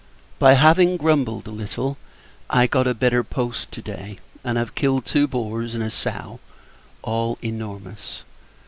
By having grumbled a little, I got a better post to day; and have killed two boars and a sow, all enormous.